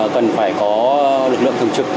cần phải có lực lượng thường trực